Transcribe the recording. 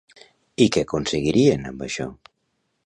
I què aconseguirien, amb això?